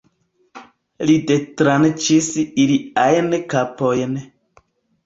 Li detranĉis iliajn kapojn.